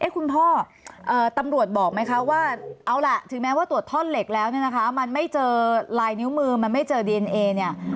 คุณพ่อตำรวจบอกไหมคะว่าเอาล่ะถึงแม้ว่าตรวจท่อนเหล็กแล้วเนี่ยนะคะมันไม่เจอลายนิ้วมือมันไม่เจอดีเอนเอเนี่ย